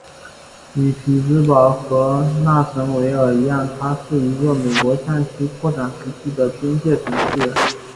与匹兹堡和纳什维尔一样它是一个美国向西扩展时期的边界城市。